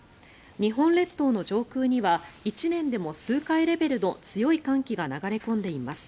日本列島の上空には１年でも数回レベルの強い寒気が流れ込んでいます。